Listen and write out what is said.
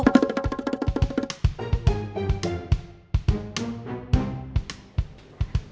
pusing tau dia banyak meeting